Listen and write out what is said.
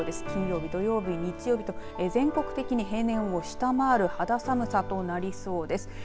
金曜日、土曜日、日曜日と全国的に平年を下回る肌寒さとなりそうです。